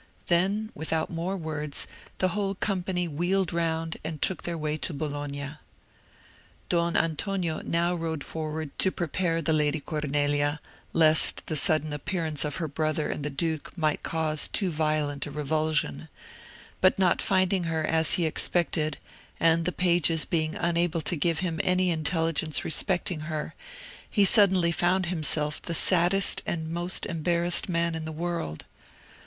Then, without more words, the whole company wheeled round, and took their way to Bologna. Don Antonio now rode forward to prepare the Lady Cornelia, lest the sudden appearance of her brother and the duke might cause too violent a revulsion; but not finding her as he expected, and the pages being unable to give him any intelligence respecting her, he suddenly found himself the saddest and most embarrassed man in the world.